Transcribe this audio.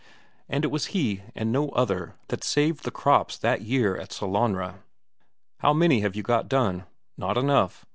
And it was he and no other that saved the crops that year at Sellanraa. "How many have you got done? Not enough.